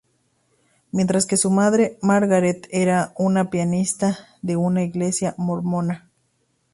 Mientras que su madre Margaret era una pianista de una Iglesia mormona.